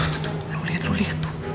tuh tuh lu liat tuh